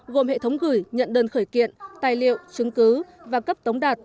gồm hệ thống gửi nhận đơn khởi kiện tài liệu chứng cứ và cấp tống đạt